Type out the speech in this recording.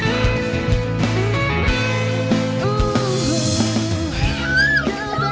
ternyata jangan lupa